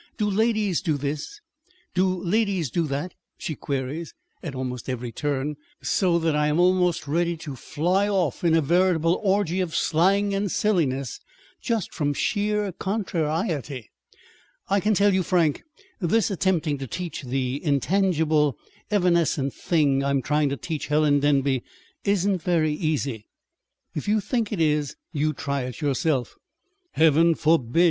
'Do ladies do this?' 'Do ladies do that?' she queries at every turn, so that I am almost ready to fly off into a veritable orgy of slang and silliness, just from sheer contrariety. I can tell you, Frank, this attempting to teach the intangible, evanescent thing I'm trying to teach Helen Denby isn't very easy. If you think it is, you try it yourself." "Heaven forbid!"